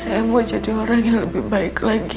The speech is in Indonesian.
saya mau jadi orang yang lebih baik lagi